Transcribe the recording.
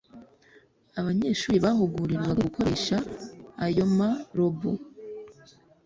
Abanyeshuri bahugurirwaga gukoresha ayo ma-robots